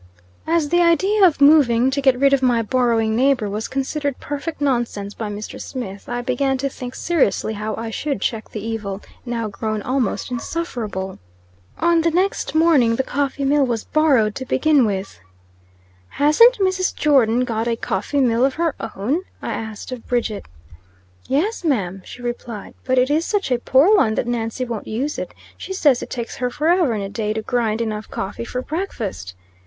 As the idea of moving to get rid of my borrowing neighbor was considered perfect nonsense by Mr. Smith, I began to think seriously how I should check the evil, now grown almost insufferable. On the next morning the coffee mill was borrowed to begin with. "Hasn't Mrs. Jordon got a coffee mill of her own?" I asked of Bridget. "Yes, ma'am," she replied, "but it is such a poor one that Nancy won't use it. She says it takes her forever and a day to grind enough coffee for breakfast."